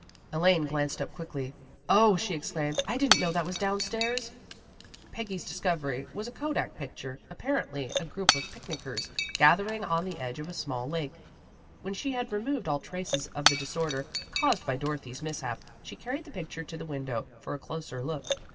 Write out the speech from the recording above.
Elaine glanced up quickly. "0," she ex claimed, " I didn't know that was downstairs." Peggy's discovery was a kodak picture, ap parently a group of picnickers, gathered on the edge of a small lake. When she had removed all traces of the disorder caused by Dorothy's mishap she carried the picture to the window, for a closer look.